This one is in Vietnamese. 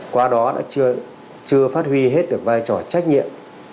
qua đó đã chưa phát huy hết được vai trò trách nhiệm